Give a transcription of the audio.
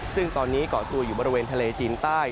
ซึ่งตอนนี้เกาะตัวอยู่บริเวณทะเลจีนใต้